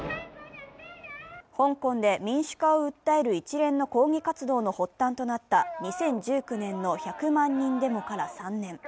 香港で民主化を訴える一連の抗議活動の発端となった２０１９年の１００万人デモから３年。